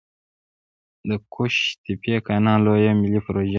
د قوش تیپې کانال لویه ملي پروژه ده